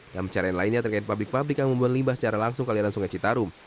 dalam pencarian lainnya terkait pabrik pabrik yang membuang limbah secara langsung ke aliran sungai citarum